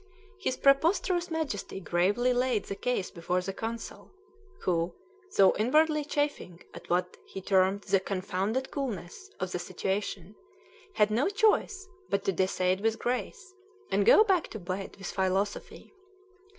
His preposterous Majesty gravely laid the case before the consul, who, though inwardly chafing at what he termed "the confounded coolness" of the situation, had no choice but to decide with grace, and go back to bed with philosophy.